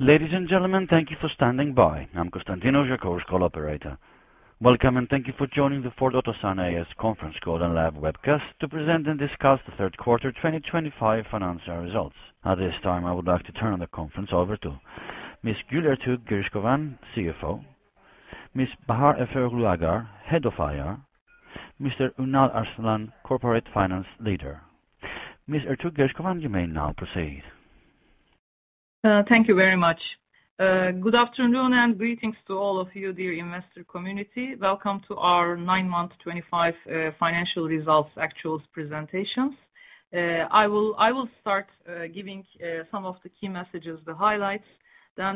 Ladies and gentlemen, thank you for standing by. I'm Constantinos, your conference call operator. Welcome, and thank you for joining the Ford Otosan A.Ş. conference call and live webcast to present and discuss the third quarter 2025 financial results. At this time, I would like to turn the conference over to Ms. Gül Ertuğ, CFO, Ms. Bahar Efeoğlu Ağar, Head of IR, Mr. Ünal Arslan, Corporate Finance Ms. Gül Ertuğ, you may now proceed. Thank you very much. Good afternoon, and greetings to all of you, dear investor community. Welcome to our nine-month 2025 financial results actuals presentations. I will start giving some of the key messages, the highlights.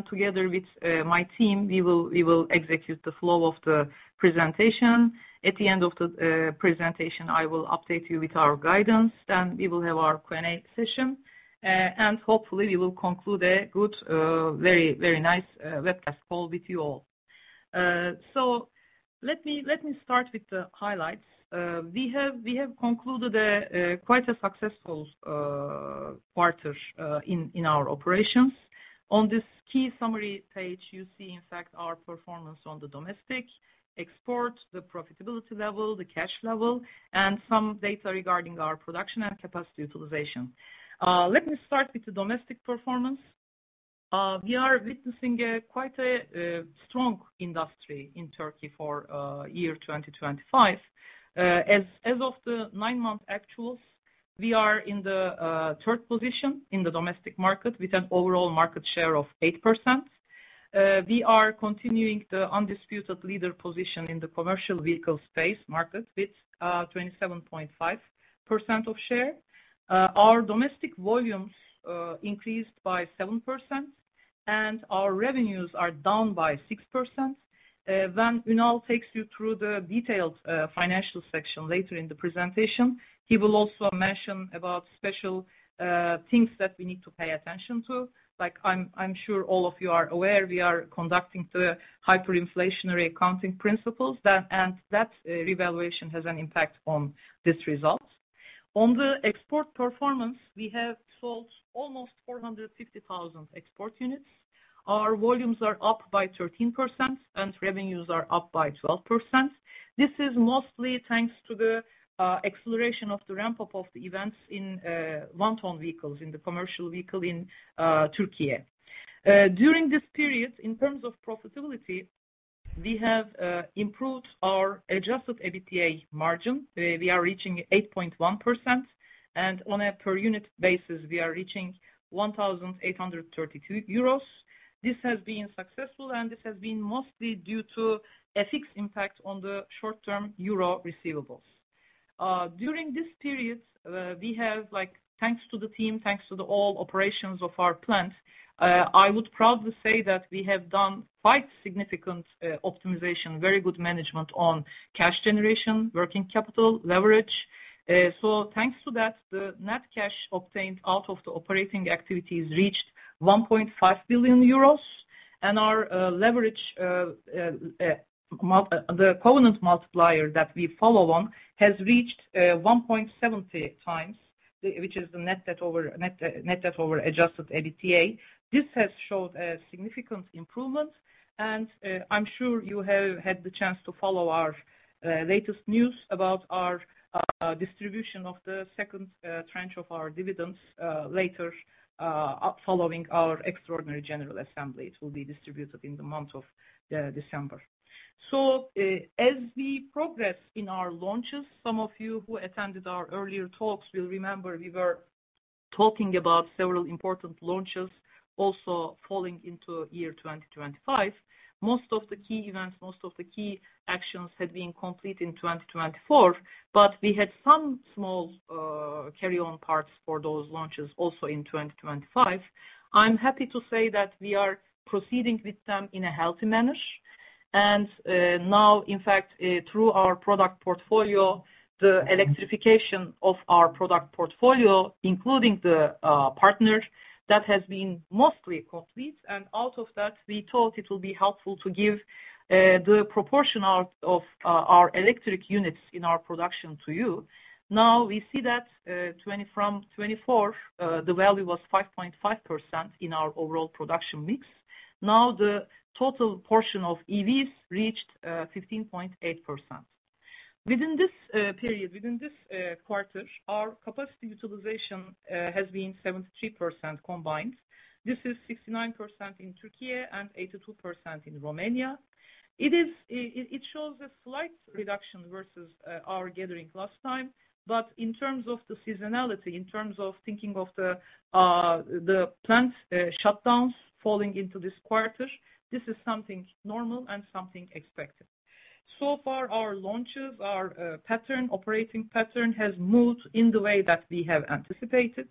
Together with my team, we will execute the flow of the presentation. At the end of the presentation, I will update you with our guidance. We will have our Q&A session. Hopefully, we will conclude a good, very nice webcast call with you all. Let me start with the highlights. We have concluded a quite successful quarter in our operations. On this key summary page, you see in fact our performance on the domestic export, the profitability level, the cash level, and some data regarding our production and capacity utilization. Let me start with the domestic performance. We are witnessing quite a strong industry in Turkey for year 2025. As of the nine-month actuals, we are in the third position in the domestic market with an overall market share of 8%. We are continuing the undisputed leader position in the commercial vehicle space market with 27.5% of share. Our domestic volumes increased by 7% and our revenues are down by 6%. When Ünal takes you through the detailed financial section later in the presentation, he will also mention about special things that we need to pay attention to. I'm sure all of you are aware, we are conducting the hyperinflationary accounting principles. That revaluation has an impact on this result. On the export performance, we have sold almost 450,000 export units. Our volumes are up by 13% and revenues are up by 12%. This is mostly thanks to the acceleration of the ramp-up of the E-Vans in one-ton vehicles, in the commercial vehicle in Turkey. During this period, in terms of profitability, we have improved our adjusted EBITDA margin. We are reaching 8.1%, and on a per unit basis, we are reaching 1,832 euros. This has been successful, and this has been mostly due to a positive impact on the short-term euro receivables. During this period, we have, like, thanks to the team, thanks to all operations of our plant, I would proudly say that we have done quite significant optimization, very good management on cash generation, working capital leverage. Thanks to that, the net cash obtained out of the operating activities reached 1.5 billion euros. Our leverage, the covenant multiplier that we follow on has reached 1.7x, which is the net debt over adjusted EBITDA. This has showed a significant improvement, and I'm sure you have had the chance to follow our latest news about our distribution of the second tranche of our dividends, later, following our extraordinary general assembly. It will be distributed in the month of December. As we progress in our launches, some of you who attended our earlier talks will remember we were talking about several important launches also falling into year 2025. Most of the key E-Vans, most of the key actions had been complete in 2024, but we had some small, carry on parts for those launches also in 2025. I'm happy to say that we are proceeding with them in a healthy manner. Now, in fact, through our product portfolio, the electrification of our product portfolio, including the, partners, that has been mostly complete. Out of that, we thought it will be helpful to give, the proportion out of, our electric units in our production to you. Now, we see that, from 2024, the value was 5.5% in our overall production mix. Now, the total portion of EVs reached 15.8%. Within this period, within this quarter, our capacity utilization has been 73% combined. This is 69% in Turkey and 82% in Romania. It shows a slight reduction versus our gathering last time. In terms of the seasonality, in terms of thinking of the plant shutdowns falling into this quarter, this is something normal and something expected. So far, our launches, our pattern, operating pattern has moved in the way that we have anticipated.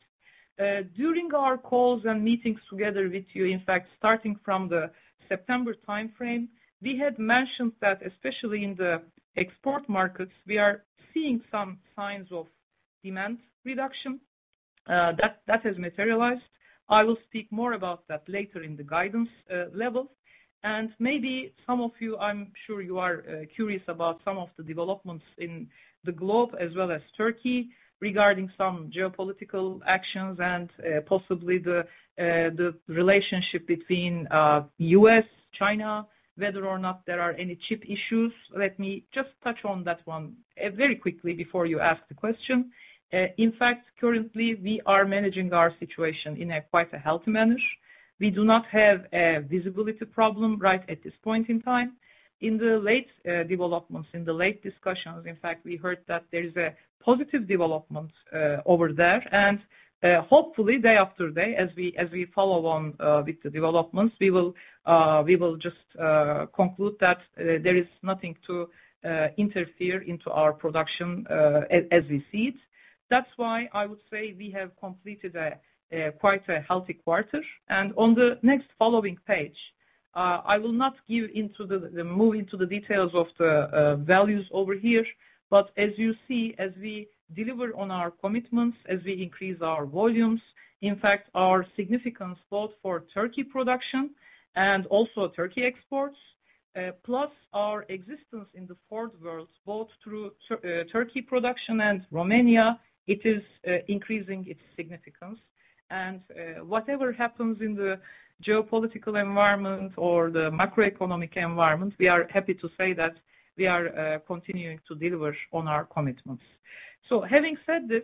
During our calls and meetings together with you, in fact, starting from the September timeframe, we had mentioned that especially in the export markets, we are seeing some signs of demand reduction. That has materialized. I will speak more about that later in the guidance level. Maybe some of you, I'm sure you are, curious about some of the global developments as well as Turkey regarding some geopolitical actions and possibly the relationship between U.S., China, whether or not there are any chip issues. Let me just touch on that one very quickly before you ask the question. In fact, currently, we are managing our situation in quite a healthy manner. We do not have a visibility problem right at this point in time. In the latest developments and discussions, in fact, we heard that there is a positive development over there. Hopefully, day after day, as we follow on with the developments, we will just conclude that there is nothing to interfere into our production, as we see it. That's why I would say we have completed quite a healthy quarter. On the next following page, I will not go into the details of the values over here. As you see, as we deliver on our commitments, as we increase our volumes, in fact, our significance both for Turkey production and also Turkey exports, plus our existence in the Ford world, both through Turkey production and Romania, it is increasing its significance. Whatever happens in the geopolitical environment or the macroeconomic environment, we are happy to say that we are continuing to deliver on our commitments. Having said this,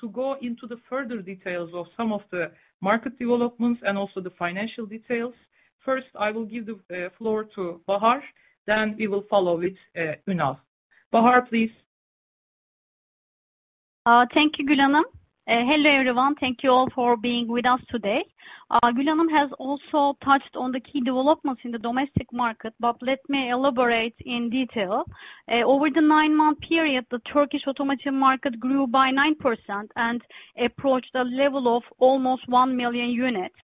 to go into the further details of some of the market developments and also the financial details, first, I will give the floor to Bahar, then we will follow with Ünal. Bahar, please. Thank you, Gül Ertuğ. Hello, everyone. Thank you all for being with us today. Gül Ertuğ has also touched on the key developments in the domestic market, but let me elaborate in detail. Over the nine-month period, the Turkish automotive market grew by 9% and approached a level of almost one million units.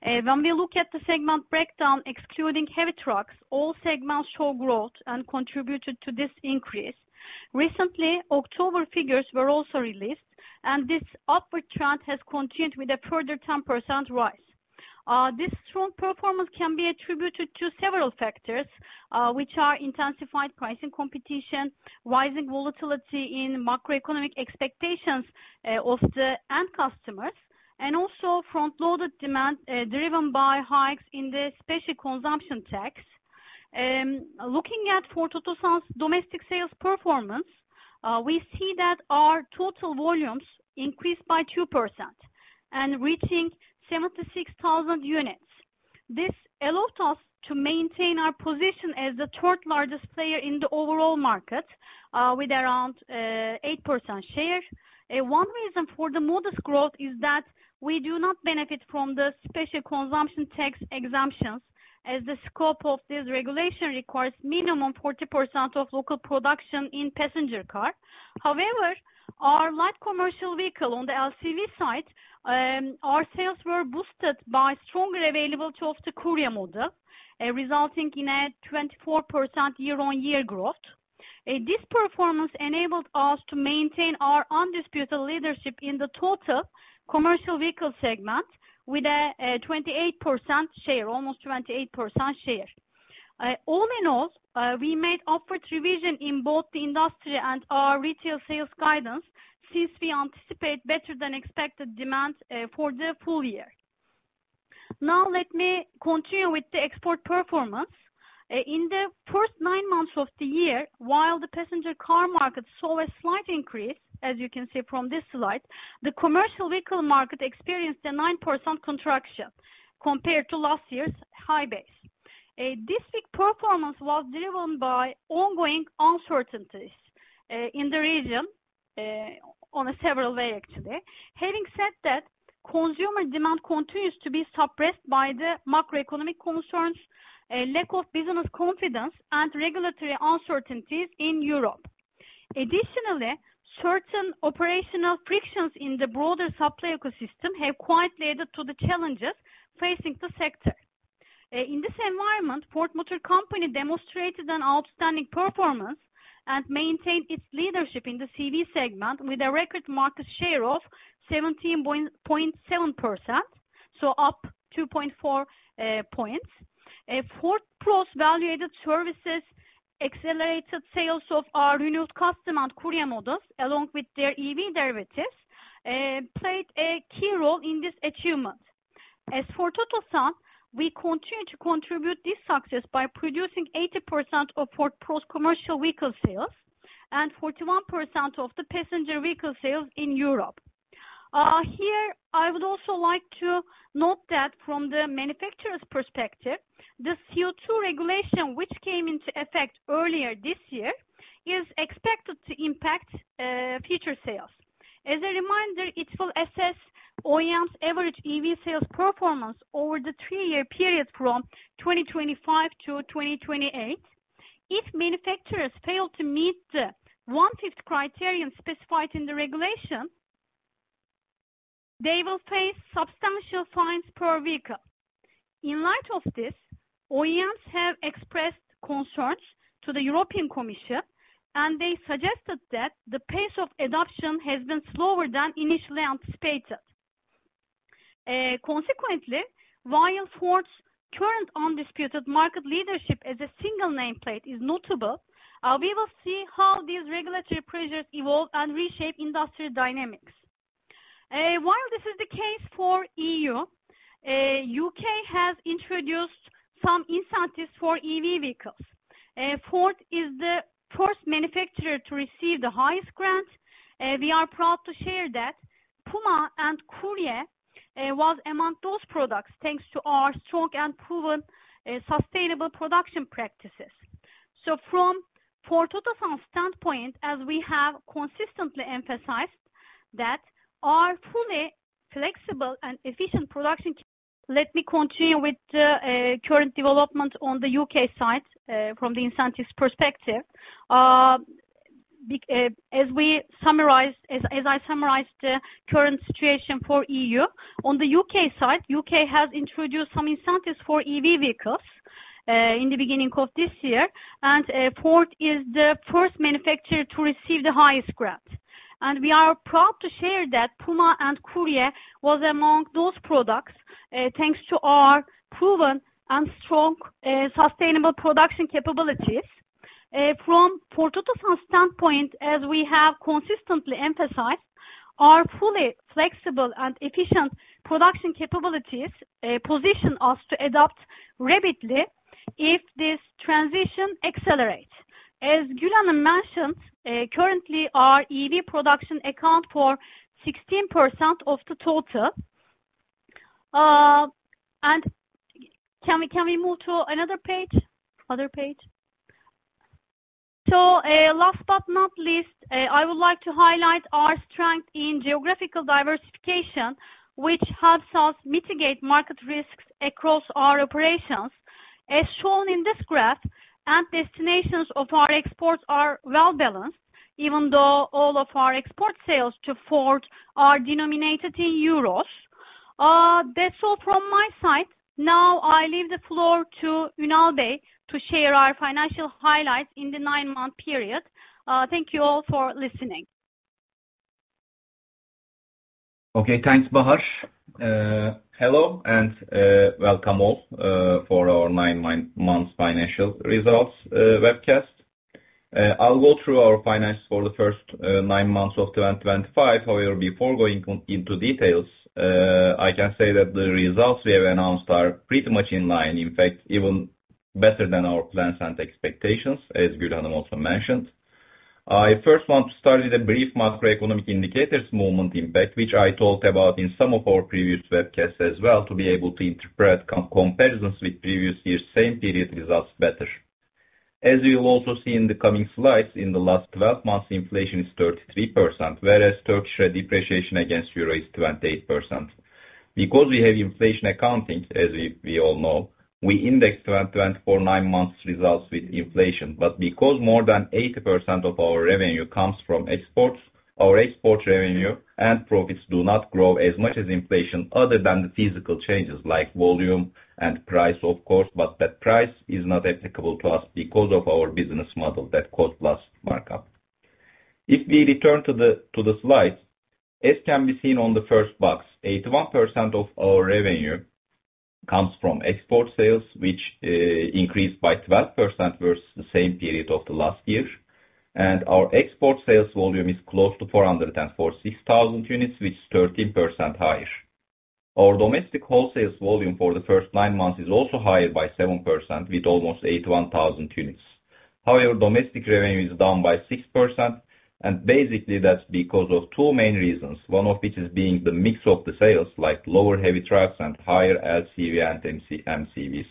When we look at the segment breakdown, excluding heavy trucks, all segments show growth and contributed to this increase. Recently, October figures were also released, and this upward trend has continued with a further 10% rise. This strong performance can be attributed to several factors, which are intensified pricing competition, rising volatility in macroeconomic expectations of the end customers, and also front-loaded demand driven by hikes in the Special Consumption Tax. Looking at Ford Otosan's domestic sales performance, we see that our total volumes increased by 2% and reaching 76,000 units. This allowed us to maintain our position as the third-largest player in the overall market, with around 8% share. One reason for the modest growth is that we do not benefit from the Special Consumption Tax exemptions, as the scope of this regulation requires minimum 40% of local production in passenger car. However, our light commercial vehicle on the LCV side, our sales were boosted by stronger availability of the Courier model, resulting in a 24% year-on-year growth. This performance enabled us to maintain our undisputed leadership in the total commercial vehicle segment with a 28% share, almost 28% share. All in all, we made upward revision in both the industry and our retail sales guidance since we anticipate better than expected demand for the full year. Now let me continue with the export performance. In the first nine months of the year, while the passenger car market saw a slight increase, as you can see from this slide, the commercial vehicle market experienced a 9% contraction compared to last year's high base. This weak performance was driven by ongoing uncertainties in the region in several ways, actually. Having said that, consumer demand continues to be suppressed by the macroeconomic concerns, lack of business confidence, and regulatory uncertainties in Europe. Additionally, certain operational frictions in the broader supply ecosystem have quietly added to the challenges facing the sector. In this environment, Ford Motor Company demonstrated an outstanding performance and maintained its leadership in the CV segment with a record market share of 17.7%, so up 2.4 points. Ford Pro's value-added services accelerated sales of our renewed Custom and Courier models, along with their EV derivatives, played a key role in this achievement. As for Otosan, we continue to contribute to this success by producing 80% of Ford Pro's commercial vehicle sales and 41% of the passenger vehicle sales in Europe. Here, I would also like to note that from the manufacturer's perspective, the CO2 regulation which came into effect earlier this year is expected to impact future sales. As a reminder, it will assess OEMs' average EV sales performance over the three-year period from 2025 to 2028. If manufacturers fail to meet the wanted criterion specified in the regulation, they will face substantial fines per vehicle. In light of this, OEMs have expressed concerns to the European Commission, and they suggested that the pace of adoption has been slower than initially anticipated. Consequently, while Ford's current undisputed market leadership as a single nameplate is notable, we will see how these regulatory pressures evolve and reshape industrial dynamics. While this is the case for E.U., U.K. has introduced some incentives for EV vehicles. Ford is the first manufacturer to receive the highest grant. We are proud to share that Puma and Courier was among those products thanks to our strong and proven sustainable production practices. From Ford Otosan standpoint, as we have consistently emphasized that our fully flexible and efficient production. Let me continue with the current development on the U.K. side from the incentives perspective. As I summarized, the current situation for E.U., on the U.K. side, U.K. has introduced some incentives for EV vehicles in the beginning of this year. Ford is the first manufacturer to receive the highest grant. We are proud to share that Puma and Courier was among those products thanks to our proven and strong sustainable production capabilities. From Ford Otosan standpoint, as we have consistently emphasized, our fully flexible and efficient production capabilities position us to adopt rapidly if this transition accelerates. As Gül Ertuğ mentioned, currently our EV production account for 16% of the total. Can we move to another page? Other page. Last but not least, I would like to highlight our strength in geographical diversification, which helps us mitigate market risks across our operations. As shown in this graph and destinations of our exports are well-balanced, even though all of our export sales to Ford are denominated in euros. That's all from my side. Now, I leave the floor to Ünal Arslan to share our financial highlights in the nine-month period. Thank you all for listening. Okay. Thanks, Bahar. Hello and welcome all for our nine-month financial results webcast. I'll go through our finances for the first nine months of 2025. However, before going into details, I can say that the results we have announced are pretty much in line, in fact, even better than our plans and expectations, as Gül Ertuğ also mentioned. I first want to start with a brief macroeconomic indicators movement impact, which I talked about in some of our previous webcasts as well, to be able to interpret comparisons with previous years' same period results better. As you'll also see in the coming slides, in the last 12 months, inflation is 33%, whereas Turkish depreciation against the Euro is 28%. Because we have inflation accounting, as we all know, we indexed 2024 nine months results with inflation. Because more than 80% of our revenue comes from exports, our export revenue and profits do not grow as much as inflation other than the physical changes like volume and price of course, but that price is not applicable to us because of our business model, that cost-plus markup. If we return to the slide, as can be seen on the first box, 81% of our revenue comes from export sales, which increased by 12% versus the same period of the last year. Our export sales volume is close to 446,000 units, which is 13% higher. Our domestic wholesales volume for the first nine months is also higher by 7%, with almost 81,000 units. However, domestic revenue is down by 6%, and basically that's because of two main reasons, one of which is being the mix of the sales, like lower heavy trucks and higher LCV and MCVs.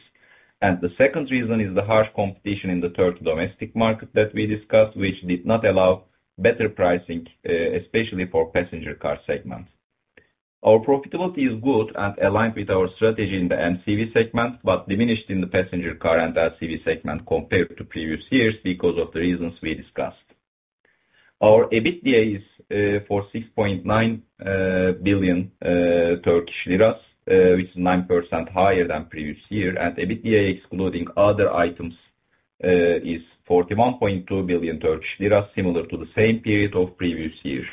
The second reason is the harsh competition in the third domestic market that we discussed, which did not allow better pricing, especially for passenger car segment. Our profitability is good and aligned with our strategy in the MCV segment, but diminished in the passenger car and LCV segment compared to previous years because of the reasons we discussed. Our EBITDA is 6.9 billion Turkish lira, which is 9% higher than previous year, and EBITDA excluding other items is 41.2 billion Turkish lira, similar to the same period of previous year.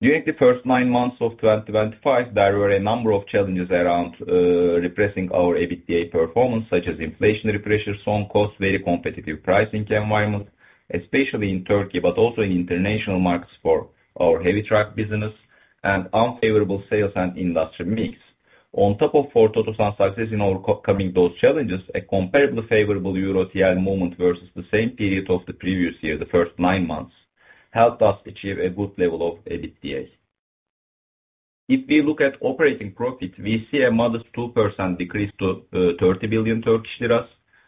During the first nine months of 2025, there were a number of challenges around depressing our EBITDA performance, such as inflationary pressures, strong costs, very competitive pricing environment, especially in Turkey, but also in international markets for our heavy truck business and unfavorable sales and industry mix. On top of Ford Otosan's success in overcoming those challenges, a comparably favorable Euro-TL movement versus the same period of the previous year, the first nine months, helped us achieve a good level of EBITDA. If we look at operating profit, we see a modest 2% decrease to 30 billion Turkish lira.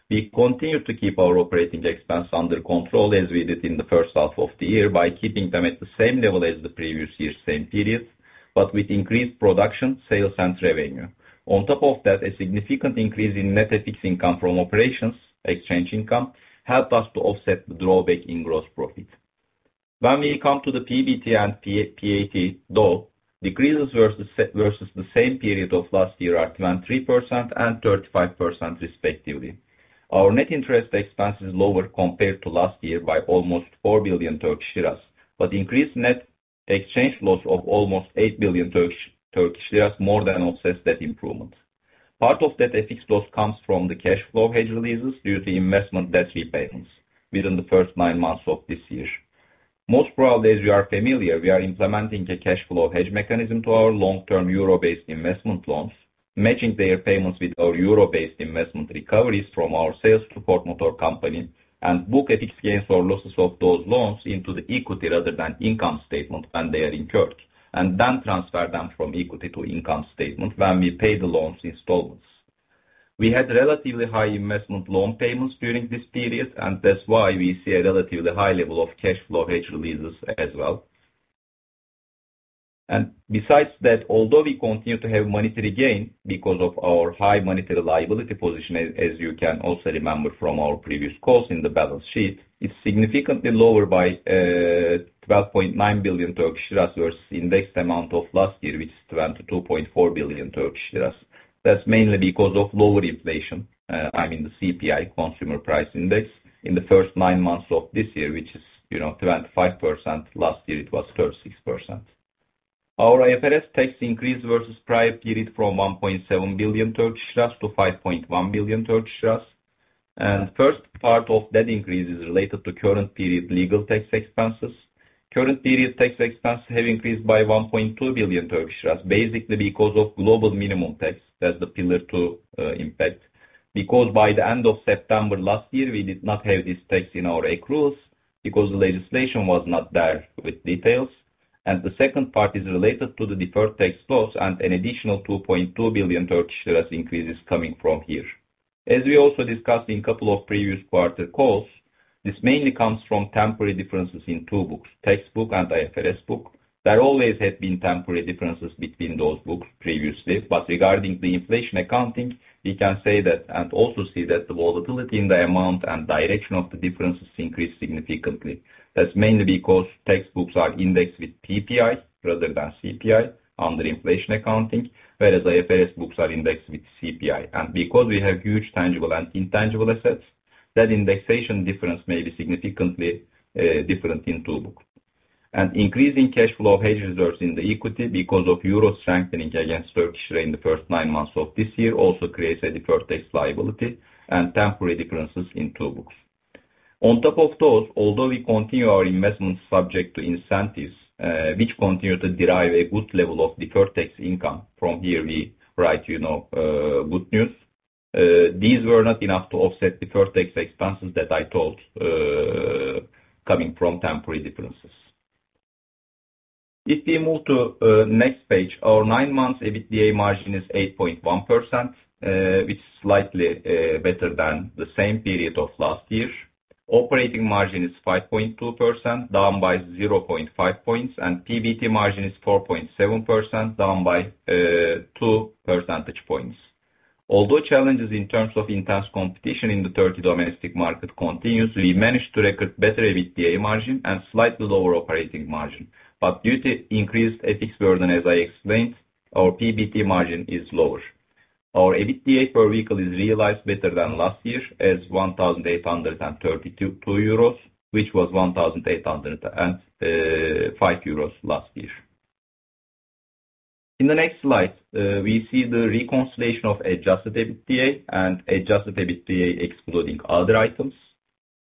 We continue to keep our operating expense under control as we did in the first half of the year by keeping them at the same level as the previous year's same period, but with increased production, sales, and revenue. On top of that, a significant increase in net EBITDA from operations, exchange income helped us to offset the drawback in gross profit. When we come to the PBT and PAT, though, decreases versus the same period of last year are 23% and 35% respectively. Our net interest expense is lower compared to last year by almost 4 billion Turkish lira, but increased net exchange loss of almost 8 billion Turkish lira more than offsets that improvement. Part of that FX loss comes from the cash flow hedge releases due to investment debt repayments within the first nine months of this year. Most probably, as you are familiar, we are implementing a cash flow hedge mechanism to our long-term euro-based investment loans, matching their payments with our euro-based investment recoveries from our sales to Ford Motor Company and book FX gains or losses of those loans into the equity rather than income statement when they are incurred, and then transfer them from equity to income statement when we pay the loans installments. We had relatively high investment loan payments during this period, and that's why we see a relatively high level of cash flow hedge releases as well. Besides that, although we continue to have monetary gain because of our high monetary liability position, as you can also remember from our previous calls in the balance sheet, it's significantly lower by 12.9 billion Turkish lira versus indexed amount of last year, which is 22.4 billion Turkish lira. That's mainly because of lower inflation, I mean, the CPI, consumer price index, in the first nine months of this year, which is, you know, 25%. Last year, it was 36%. Our IFRS tax increase versus prior period from 1.7 billion to 5.1 billion. First part of that increase is related to current period legal tax expenses. Current period tax expenses have increased by 1.2 billion, basically because of global minimum tax. That's the Pillar Two impact. Because by the end of September last year, we did not have this tax in our accruals because the legislation was not there with details. The second part is related to the deferred tax loss and an additional 2.2 billion Turkish lira increase is coming from here. As we also discussed in a couple of previous quarter calls, this mainly comes from temporary differences in two books, tax book and IFRS book. There always have been temporary differences between those books previously. Regarding the inflation accounting, we can say that and also see that the volatility in the amount and direction of the differences increased significantly. That's mainly because tax books are indexed with PPI rather than CPI under inflation accounting, whereas IFRS books are indexed with CPI. Because we have huge tangible and intangible assets, that indexation difference may be significantly different in two books. Increasing cash flow hedge reserves in the equity because of Euro strengthening against Turkish lira in the first nine months of this year also creates a deferred tax liability and temporary differences in two books. On top of those, although we continue our investments subject to incentives, which continue to derive a good level of deferred tax income, from here we write, you know, good news, these were not enough to offset deferred tax expenses that I told coming from temporary differences. If we move to next page, our nine months EBITDA margin is 8.1%, which is slightly better than the same period of last year. Operating margin is 5.2%, down by 0.5 points, and PBT margin is 4.7%, down by 2 percentage points. Although challenges in terms of intense competition in the Turkey domestic market continues, we managed to record better EBITDA margin and slightly lower operating margin. Due to increased FX burden, as I explained, our PBT margin is lower. Our EBITDA per vehicle is realized better than last year as 1,832 euros, which was 1,805 euros last year. In the next slide, we see the reconciliation of adjusted EBITDA and adjusted EBITDA excluding other items,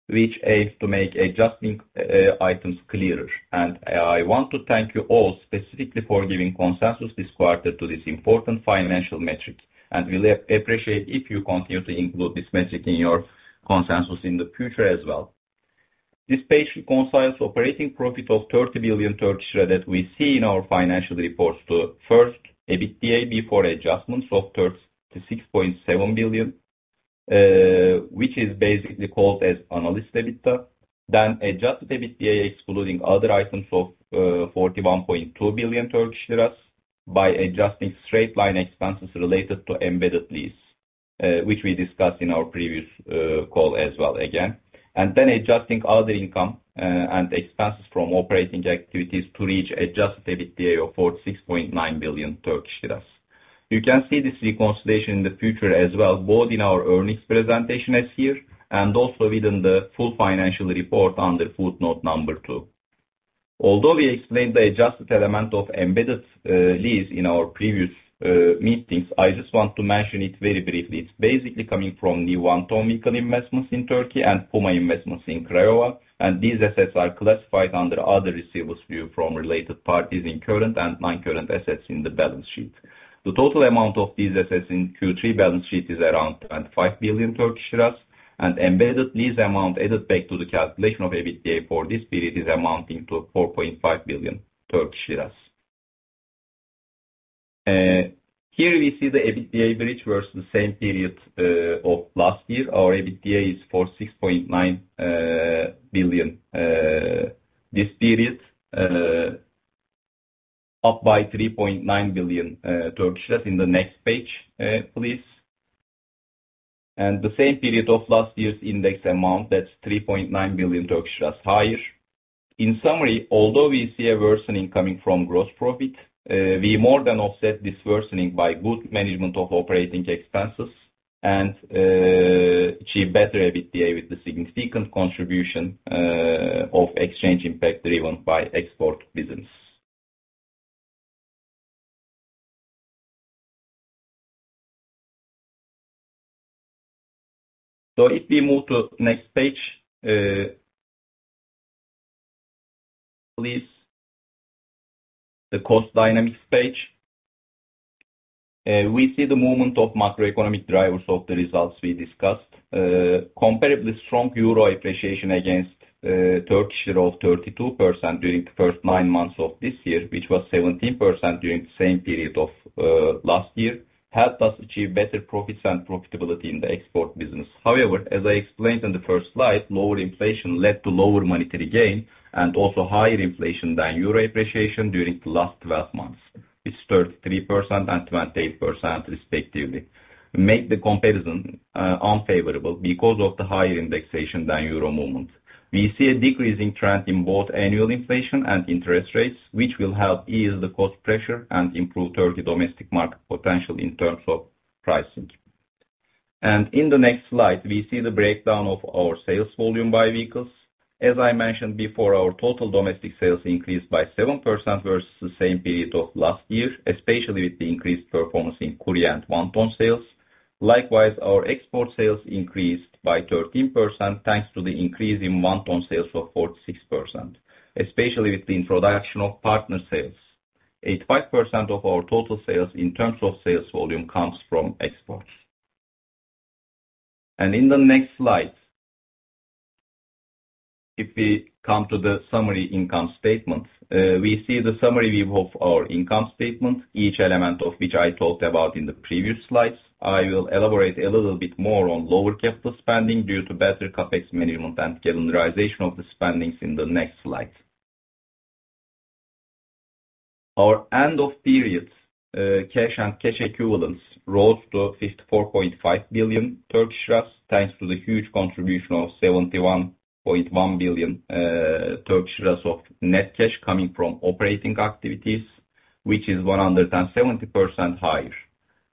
which aids to make adjusting items clearer. I want to thank you all specifically for giving consensus this quarter to this important financial metric, and we'll appreciate if you continue to include this metric in your consensus in the future as well. This page reconciles operating profit of 30 billion that we see in our financial reports to first, EBITDA before adjustments of 36.7 billion, which is basically called as analyst EBITDA. Then adjusted EBITDA excluding other items of 41.2 billion Turkish lira by adjusting straight-line expenses related to embedded lease, which we discussed in our previous call as well again. Then adjusting other income and expenses from operating activities to reach adjusted EBITDA of 46.9 billion Turkish lira. You can see this reconciliation in the future as well, both in our earnings presentation as here, and also within the full financial report under footnote number two. Although we explained the adjusted element of embedded lease in our previous meetings, I just want to mention it very briefly. It's basically coming from new one-ton vehicle investments in Turkey and Puma investments in Craiova. These assets are classified under other receivables due from related parties in current and non-current assets in the balance sheet. The total amount of these assets in Q3 balance sheet is around 25 billion, and embedded lease amount added back to the calculation of EBITDA for this period is amounting to 4.5 billion Turkish lira. Here we see the EBITDA bridge versus the same period of last year. Our EBITDA is 46.9 billion this period, up by 3.9 billion. In the next page, please. The same period of last year's index amount, that's 3.9 billion higher. In summary, although we see a worsening coming from gross profit, we more than offset this worsening by good management of operating expenses and achieve better EBITDA with the significant contribution of exchange impact driven by export business. If we move to next page, please. The cost dynamics page. We see the movement of macroeconomic drivers of the results we discussed. Comparably strong euro appreciation against Turkish lira of 32% during the first nine months of this year, which was 17% during the same period of last year, helped us achieve better profits and profitability in the export business. However, as I explained in the first slide, lower inflation led to lower monetary gain and also higher inflation than euro appreciation during the last 12 months. It's 33% and 28% respectively, make the comparison unfavorable because of the higher indexation than euro movement. We see a decreasing trend in both annual inflation and interest rates, which will help ease the cost pressure and improve Turkey domestic market potential in terms of pricing. In the next slide, we see the breakdown of our sales volume by vehicles. As I mentioned before, our total domestic sales increased by 7% versus the same period of last year, especially with the increased performance in Courier and one-ton sales. Likewise, our export sales increased by 13%, thanks to the increase in one-ton sales of 46%, especially with the introduction of partner sales. 85% of our total sales in terms of sales volume comes from exports. In the next slide, if we come to the summary income statement, we see the summary view of our income statement, each element of which I talked about in the previous slides. I will elaborate a little bit more on lower capital spending due to better CapEx management and calendarization of the spendings in the next slide. Our end of period cash and cash equivalents rose to 54.5 billion, thanks to the huge contribution of 71.1 billion of net cash coming from operating activities, which is 170% higher.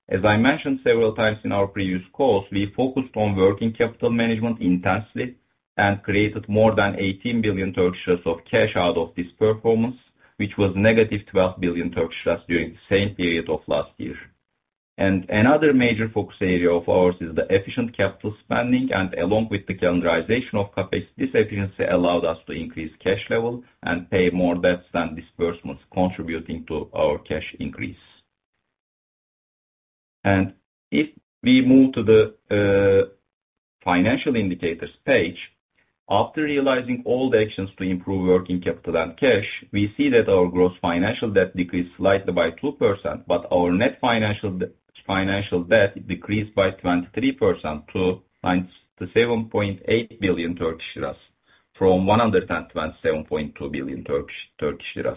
As I mentioned several times in our previous calls, we focused on working capital management intensely and created more than 18 billion of cash out of this performance, which was negative 12 billion during the same period of last year. Another major focus area of ours is the efficient capital spending, and along with the calendarization of CapEx, this efficiency allowed us to increase cash level and pay more debts than disbursements contributing to our cash increase. If we move to the financial indicators page, after realizing all the actions to improve working capital and cash, we see that our gross financial debt decreased slightly by 2%, but our net financial debt decreased by 23% to -7.8 billion Turkish lira, from 127.2 billion Turkish lira.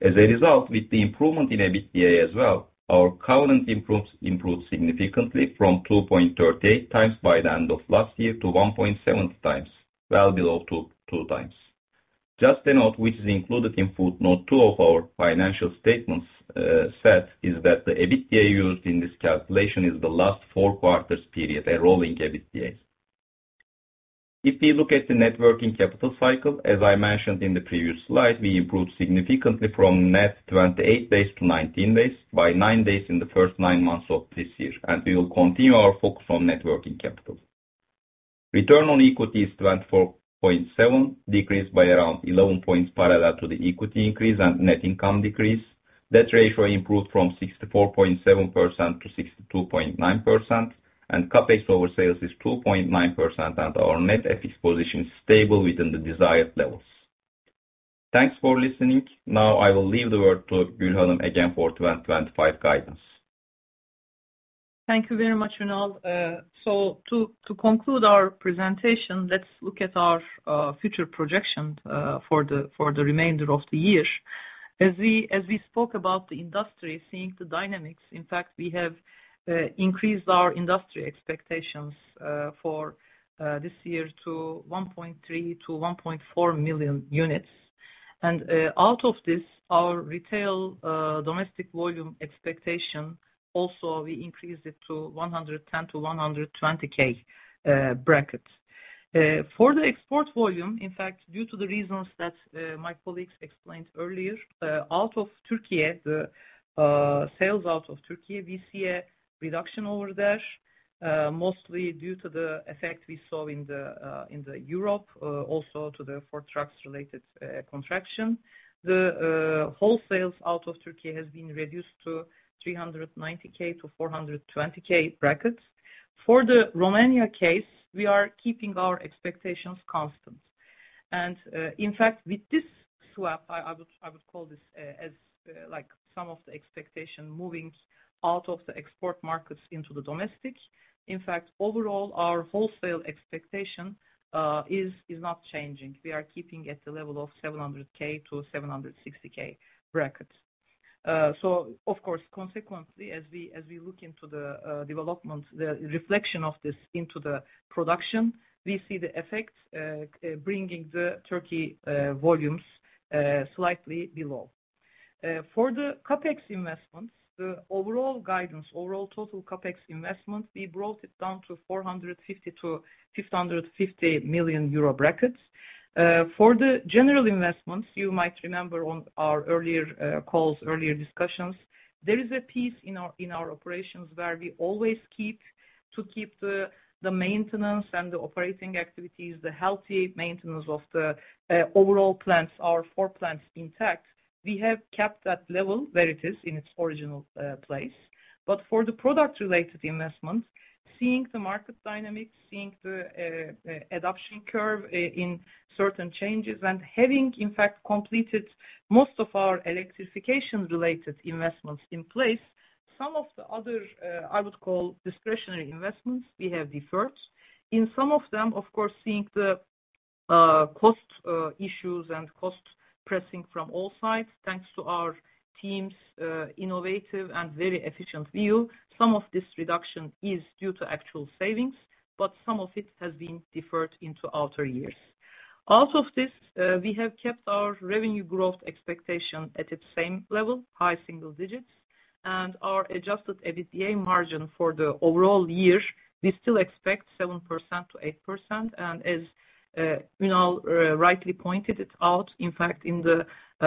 As a result, with the improvement in EBITDA as well, our covenant improves, improved significantly from 2.38x by the end of last year to 1.7x, well below 2x. Just a note which is included in footnote two of our financial statements, it is that the EBITDA used in this calculation is the last four quarters period, a rolling EBITDA. If we look at the net working capital cycle, as I mentioned in the previous slide, we improved significantly from net 28 days to 19 days by nine days in the first nine months of this year, and we will continue our focus on net working capital. Return on equity is 24.7, decreased by around 11 points parallel to the equity increase and net income decrease. Debt ratio improved from 64.7% to 62.9%, and CapEx over sales is 2.9%, and our net FX position is stable within the desired levels. Thanks for listening. Now I will leave the word to Gül Ertuğ again for 2025 guidance. Thank you very much, Ünal. So to conclude our presentation, let's look at our future projections for the remainder of the year. As we spoke about the industry, seeing the dynamics, in fact, we have increased our industry expectations for this year to 1.3 million-1.4 million units. Out of this, our retail domestic volume expectation, also we increased it to 110K-120K brackets. For the export volume, in fact, due to the reasons that my colleagues explained earlier, out of Türkiye, the sales out of Türkiye, we see a reduction over there, mostly due to the effect we saw in Europe, also to the Ford Trucks related contraction. Wholesales out of Türkiye has been reduced to 390K-420K brackets. For the Romania case, we are keeping our expectations constant. In fact, with this swap, I would call this as like some of the expectation moving out of the export markets into the domestic. In fact, overall, our wholesale expectation is not changing. We are keeping at the level of 700K-760K brackets. Consequently, as we look into the development, the reflection of this into the production, we see the effect bringing the Türkiye volumes slightly below. For the CapEx investments, the overall guidance, overall total CapEx investment, we brought it down to 450 million-550 million euro. For the general investments, you might remember on our earlier calls, earlier discussions, there is a piece in our operations where we always keep the maintenance and the operating activities, the healthy maintenance of the overall plants, our four plants intact. We have kept that level where it is in its original place. For the product-related investments, seeing the market dynamics, seeing the adoption curve in certain changes, and having, in fact, completed most of our electrification-related investments in place, some of the other, I would call discretionary investments we have deferred. In some of them, of course, seeing the cost issues and cost pressing from all sides, thanks to our team's innovative and very efficient view, some of this reduction is due to actual savings, but some of it has been deferred into outer years. Out of this, we have kept our revenue growth expectation at its same level, high single digits percent, and our adjusted EBITDA margin for the overall year, we still expect 7%-8%. As Ünal rightly pointed it out, in fact, in the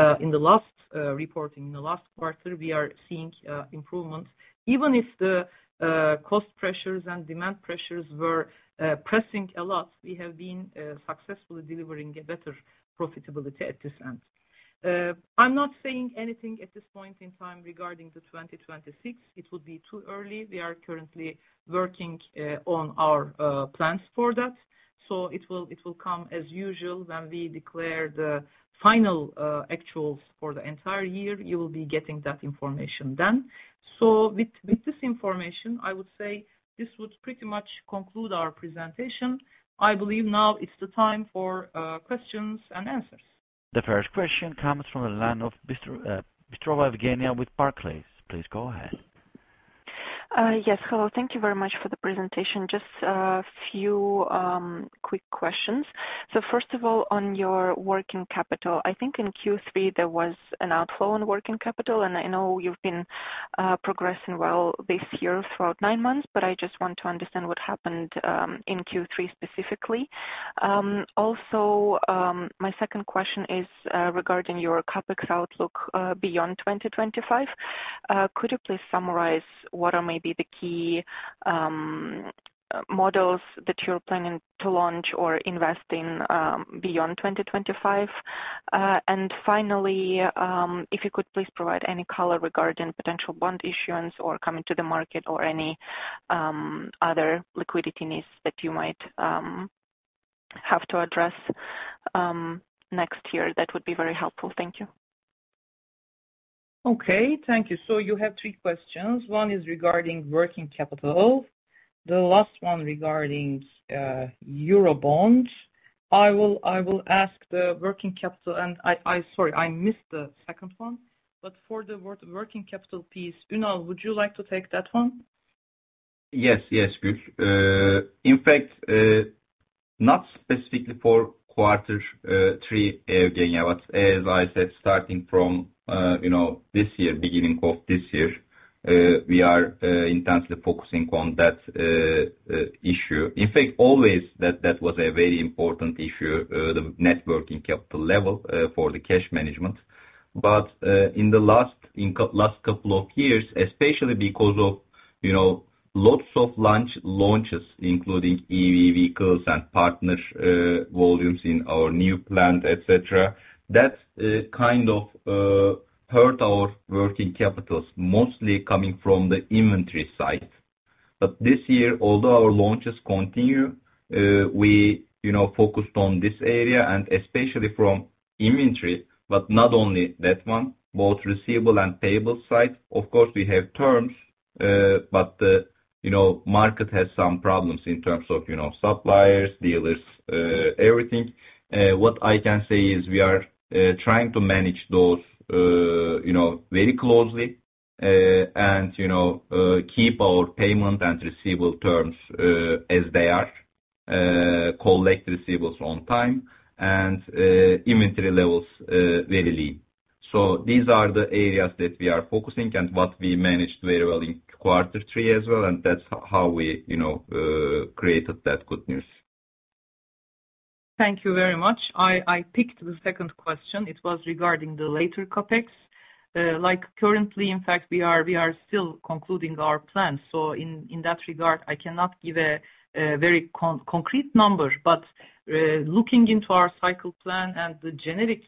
last reporting, in the last quarter, we are seeing improvement. Even if the cost pressures and demand pressures were pressing a lot, we have been successfully delivering a better profitability at this end. I'm not saying anything at this point in time regarding 2026. It would be too early. We are currently working on our plans for that. It will come as usual when we declare the final actuals for the entire year. You will be getting that information then. With this information, I would say this would pretty much conclude our presentation. I believe now is the time for questions and answers. The first question comes from the line of Evgeniya Bystrova with Barclays. Please go ahead. Yes. Hello. Thank you very much for the presentation. Just a few quick questions. First of all, on your working capital, I think in Q3, there was an outflow in working capital, and I know you've been progressing well this year throughout nine months. I just want to understand what happened in Q3 specifically. My second question is regarding your CapEx outlook beyond 2025. Could you please summarize what are maybe the key models that you're planning to launch or invest in beyond 2025? Finally, if you could please provide any color regarding potential bond issuance or coming to the market or any other liquidity needs that you might have to address next year, that would be very helpful. Thank you. Okay, thank you. You have three questions. One is regarding working capital, the last one regarding Eurobond. I will ask the working capital. Sorry, I missed the second one. For the working capital piece, Ünal, would you like to take that one? Yes. Yes, Gülşah. In fact, not specifically for quarter three, Evgeniya, but as I said, starting from, you know, this year, beginning of this year, we are intensely focusing on that issue. In fact, always that was a very important issue, the net working capital level, for the cash management. But, in the last couple of years, especially because of, you know, lots of launches, including EV vehicles and partner volumes in our new plant, et cetera, that kind of hurt our working capitals, mostly coming from the inventory side. But this year, although our launches continue, we, you know, focused on this area and especially from inventory, but not only that one, both receivable and payable side. Of course, we have terms, but the, you know, market has some problems in terms of, you know, suppliers, dealers, everything. What I can say is we are trying to manage those, you know, very closely, and, you know, keep our payment and receivable terms, as they are, collect receivables on time and inventory levels very lean. These are the areas that we are focusing and what we managed very well in quarter three as well, and that's how we, you know, created that good news. Thank you very much. I picked the second question. It was regarding the later CapEx. Like currently, in fact, we are still concluding our plans. In that regard, I cannot give a very concrete number. Looking into our cycle plan and the genetic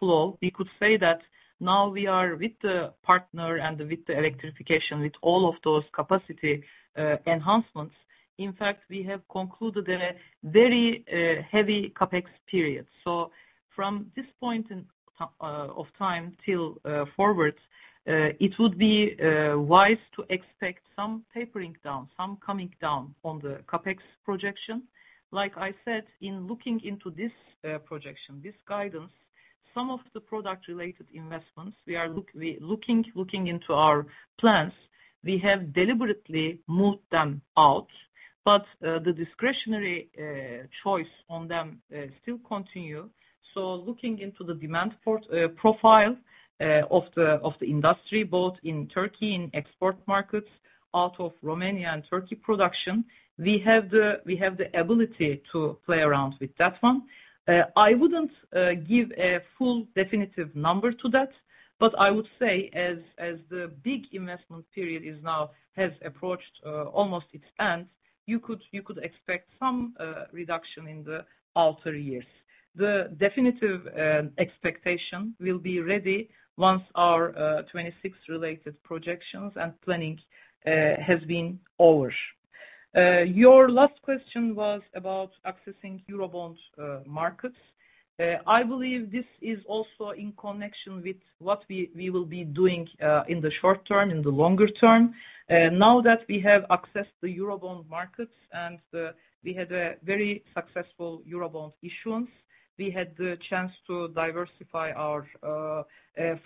flow, we could say that now we are with the partner and with the electrification, with all of those capacity enhancements. In fact, we have concluded a very heavy CapEx period. From this point in time till forward, it would be wise to expect some tapering down, some coming down on the CapEx projection. Like I said, in looking into this projection, this guidance. Some of the product related investments we are looking into our plans. We have deliberately moved them out, but the discretionary choice on them still continue. Looking into the demand profile of the industry, both in Turkey and export markets, out of Romania and Turkey production, we have the ability to play around with that one. I wouldn't give a full definitive number to that, but I would say as the big investment period has approached almost its end, you could expect some reduction in the all three years. The definitive expectation will be ready once our 2026 related projections and planning has been over. Your last question was about accessing Eurobond markets. I believe this is also in connection with what we will be doing in the short term, in the longer term. Now that we have accessed the Eurobond markets and we had a very successful Eurobond issuance, we had the chance to diversify our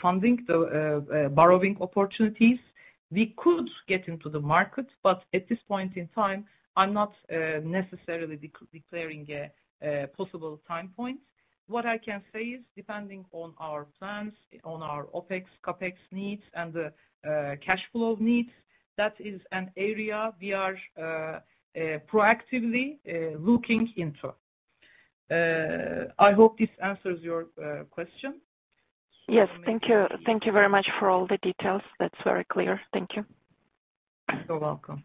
funding, the borrowing opportunities. We could get into the market, but at this point in time, I'm not necessarily declaring a possible time point. What I can say is, depending on our plans, on our OpEx, CapEx needs and the cash flow needs, that is an area we are proactively looking into. I hope this answers your question. Yes. Thank you. Thank you very much for all the details. That's very clear. Thank you. You're welcome.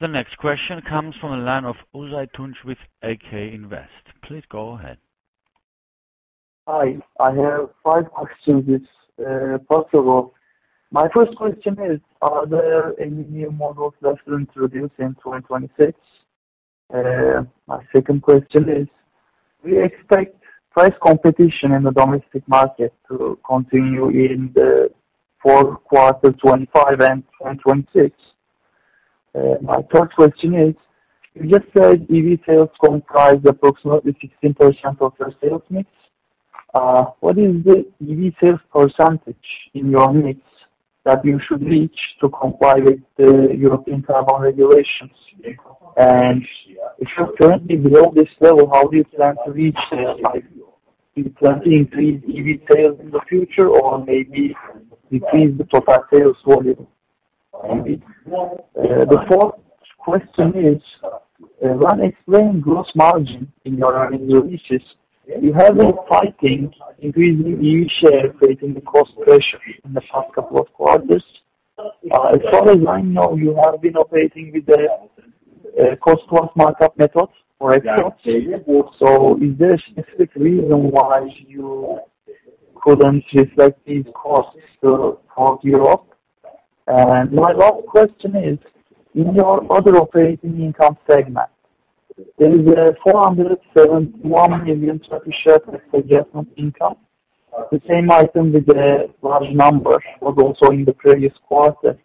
The next question comes from the line of Aytunç Uz with AK Investment. Please go ahead. Hi. I have five questions if possible. My first question is, are there any new models that you introduce in 2026? My second question is, we expect price competition in the domestic market to continue in the fourth quarter 2025 and 2026. My third question is, you just said EV sales comprised approximately 16% of your sales mix. What is the EV sales percentage in your mix that you should reach to comply with the European carbon regulations? And if you're currently below this level, how do you plan to reach this level? Do you plan to increase EV sales in the future or maybe decrease the total sales volume? Maybe. The fourth question is, when explaining gross margin in your releases, you have a fading increasing EV share, creating the cost pressure in the past couple of quarters. As far as I know, you have been operating with a cost-plus markup method for exports. Is there a specific reason why you couldn't reflect these costs to, for Europe? My last question is, in your other operating income segment, there is 471 million adjustment income. The same item with a large number was also in the previous quarter.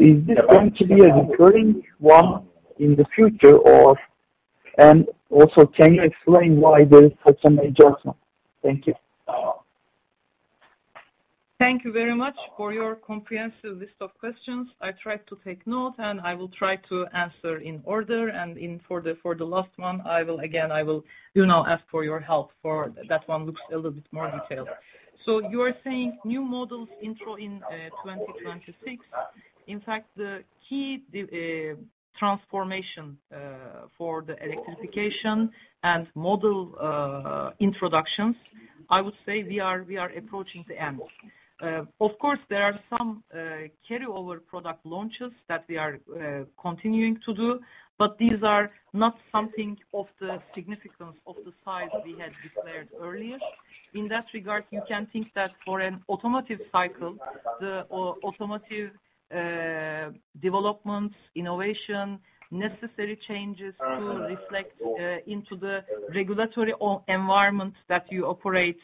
Is this going to be a recurring one in the future? Also can you explain why there is such an adjustment? Thank you. Thank you very much for your comprehensive list of questions. I tried to take note, and I will try to answer in order, and for the last one, I will again ask for your help, for that one looks a little bit more detailed. You are saying new models intro in 2026. In fact, the key transformation for the electrification and model introductions, I would say we are approaching the end. Of course, there are some carryover product launches that we are continuing to do, but these are not something of the significance of the size we had declared earlier. In that regard, you can think that for an automotive cycle, the automotive development, innovation, necessary changes to reflect into the regulatory environment that you operate,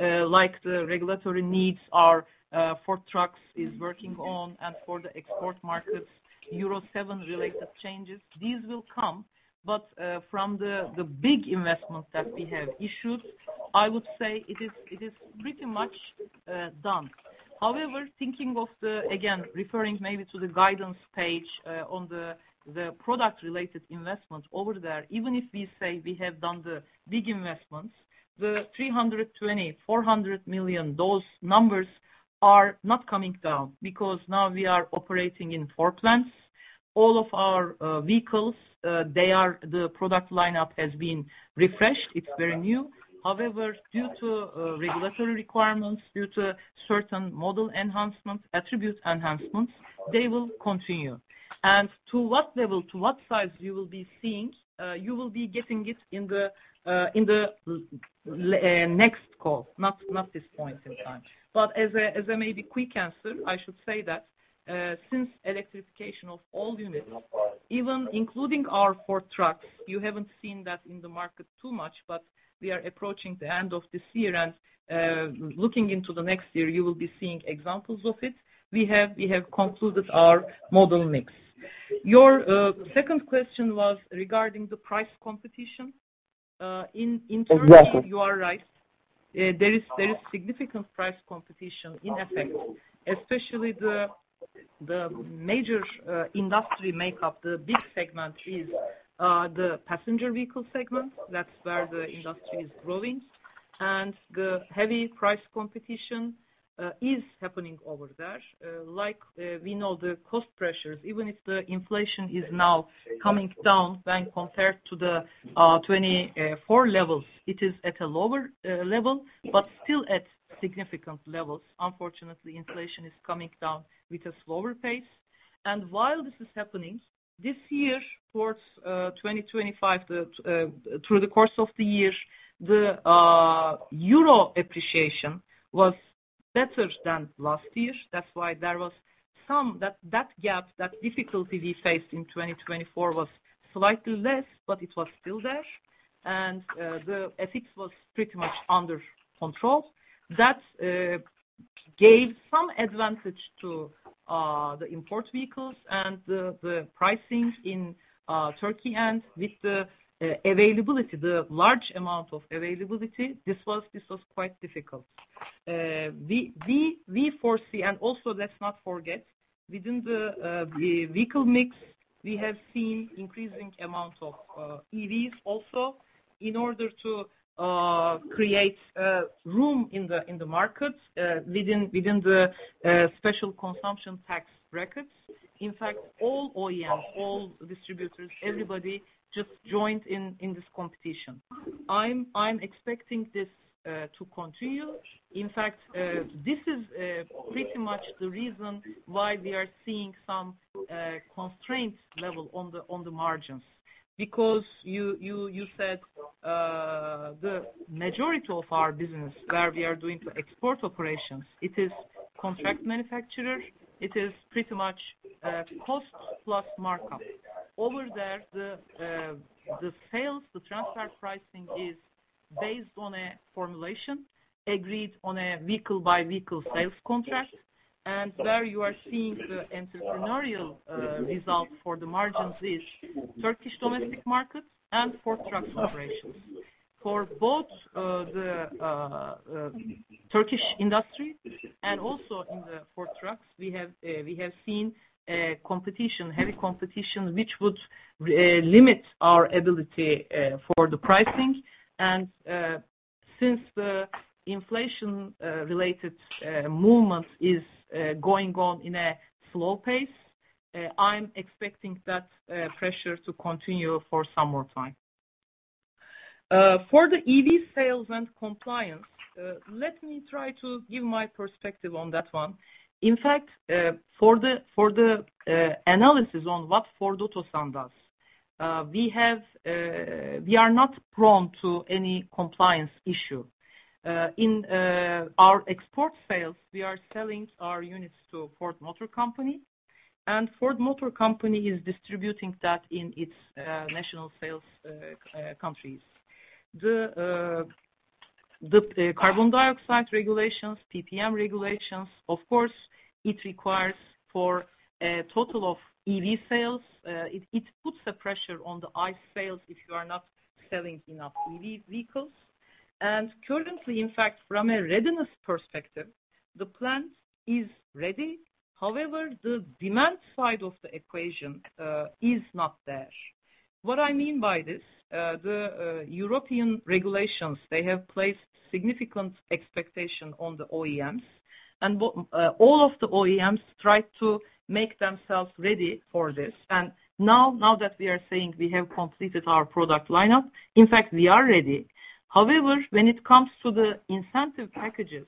like the regulatory needs are, Ford Trucks is working on and for the export markets, Euro 7 related changes, these will come. From the big investment that we have issued, I would say it is pretty much done. However, thinking again of the guidance page on the product related investment over there, even if we say we have done the big investments, the 320 million-400 million, those numbers are not coming down because now we are operating in four plants. All of our vehicles, the product lineup has been refreshed. It's very new. However, due to regulatory requirements, due to certain model enhancements, attribute enhancements, they will continue. To what level, to what size you will be seeing, you will be getting it in the next call, not this point in time. As a maybe quick answer, I should say that since electrification of all units, even including our Ford Trucks, you haven't seen that in the market too much, but we are approaching the end of this year and looking into the next year, you will be seeing examples of it. We have concluded our model mix. Your second question was regarding the price competition. In terms of- Exactly You are right. There is significant price competition in effect, especially the major industry makeup. The big segment is the passenger vehicle segment. That's where the industry is growing. The heavy price competition is happening over there. Like, we know the cost pressures, even if the inflation is now coming down when compared to the 2024 levels, it is at a lower level, but still at significant levels. Unfortunately, inflation is coming down with a slower pace. While this is happening, this year, towards 2025, through the course of the year, the euro appreciation was better than last year. That's why that gap, that difficulty we faced in 2024 was slightly less, but it was still there. The effect was pretty much under control. That gave some advantage to the import vehicles and the pricing in Turkey. With the availability, the large amount of availability, this was quite difficult. We foresee, let's not forget, within the vehicle mix, we have seen increasing amounts of EVs also in order to create room in the market within the Special Consumption Tax brackets. In fact, all OEMs, all distributors, everybody just joined in this competition. I'm expecting this to continue. In fact, this is pretty much the reason why we are seeing some constraints level on the margins. Because you said the majority of our business where we are doing the export operations, it is contract manufacturer. It is pretty much cost-plus markup. Over there, the sales, the transfer pricing is based on a formulation agreed on a vehicle-by-vehicle sales contract. Where you are seeing the entrepreneurial result for the margins is Turkish domestic markets and Ford Trucks operations. For both the Turkish industry and also in the Ford Trucks, we have seen heavy competition, which would really limit our ability for the pricing. Since the inflation related movement is going on in a slow pace, I'm expecting that pressure to continue for some more time. For the EV sales and compliance, let me try to give my perspective on that one. In fact, for the analysis on what Ford Otosan does, we are not prone to any compliance issue. In our export sales, we are selling our units to Ford Motor Company, and Ford Motor Company is distributing that in its national sales countries. The carbon dioxide regulations, PM regulations, of course, it requires for a total of EV sales. It puts the pressure on the ICE sales if you are not selling enough EV vehicles. Currently, in fact, from a readiness perspective, the plant is ready. However, the demand side of the equation is not there. What I mean by this, the European regulations, they have placed significant expectation on the OEMs. All of the OEMs tried to make themselves ready for this. Now that we are saying we have completed our product lineup, in fact, we are ready. However, when it comes to the incentive packages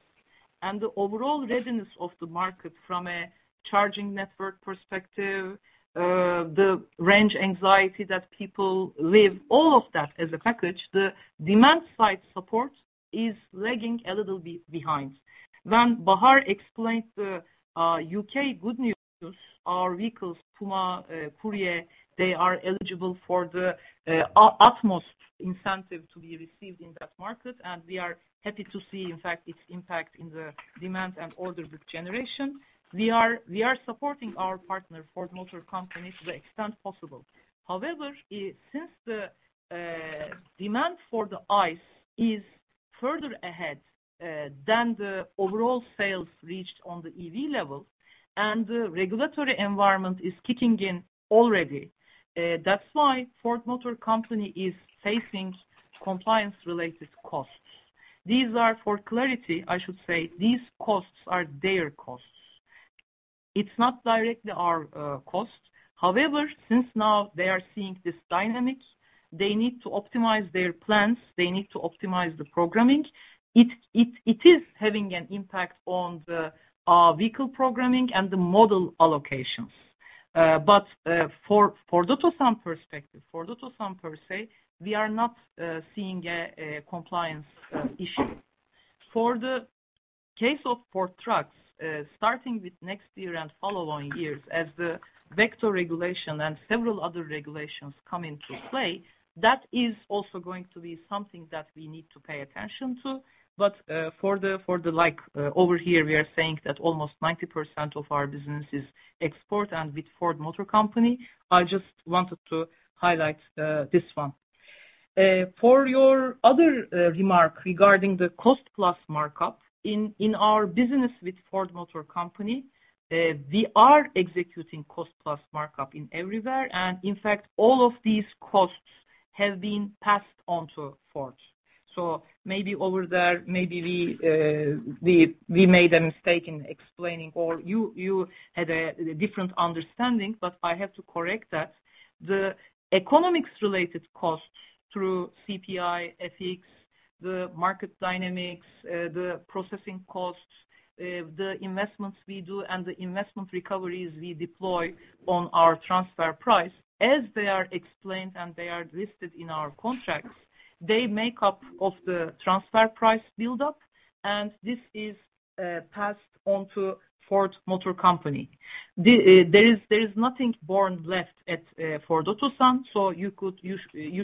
and the overall readiness of the market from a charging network perspective, the range anxiety that people live, all of that as a package, the demand side support is lagging a little bit behind. When Bahar explained the U.K. good news, our vehicles, Puma, Courier, they are eligible for the utmost incentive to be received in that market, and we are happy to see, in fact, its impact in the demand and order book generation. We are supporting our partner, Ford Motor Company, to the extent possible. However, since the demand for the ICE is further ahead than the overall sales reached on the EV level and the regulatory environment is kicking in already, that's why Ford Motor Company is facing compliance-related costs. These are for clarity, I should say, these costs are their costs. It's not directly our costs. However, since now they are seeing this dynamic, they need to optimize their plans. They need to optimize the programming. It is having an impact on the vehicle programming and the model allocations. From Ford Otosan perspective, Ford Otosan per se, we are not seeing a compliance issue. For the case of Ford Trucks, starting with next year and following years as the VECTO regulation and several other regulations come into play, that is also going to be something that we need to pay attention to. For the LCV over here, we are saying that almost 90% of our business is export and with Ford Motor Company, I just wanted to highlight this one. For your other remark regarding the cost-plus markup, in our business with Ford Motor Company, we are executing cost-plus markup everywhere. In fact, all of these costs have been passed on to Ford. Maybe over there, maybe we made a mistake in explaining or you had a different understanding, but I have to correct that. The economics-related costs through CPI, FX, the market dynamics, the processing costs, the investments we do and the investment recoveries we deploy on our transfer price, as they are explained and they are listed in our contracts, they make up of the transfer price buildup, and this is passed on to Ford Motor Company. There is nothing borne left at Ford Otosan. You could, you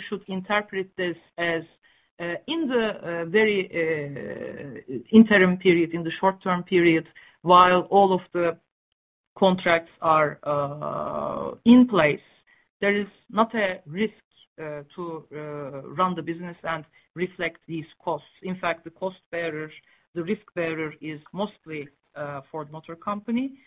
should interpret this as in the very interim period, in the short-term period, while all of the contracts are in place, there is not a risk to run the business and reflect these costs. In fact, the cost bearer, the risk bearer is mostly Ford Motor Company.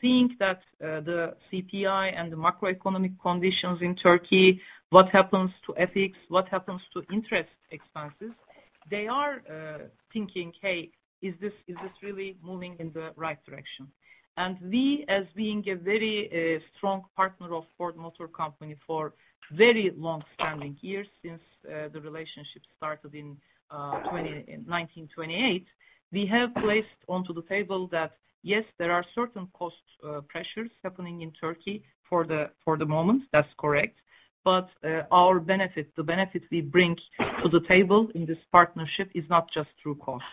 Seeing that the CPI and the macroeconomic conditions in Turkey, what happens to FX, what happens to interest expenses, they are thinking, "Hey, is this really moving in the right direction?" We, as being a very strong partner of Ford Motor Company for very long-standing years since the relationship started in 1928, we have placed onto the table that, yes, there are certain cost pressures happening in Turkey for the moment. That's correct. Our benefit, the benefit we bring to the table in this partnership is not just through costs.